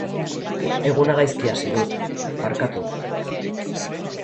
Eguna gaizki hasi dut, barkatu.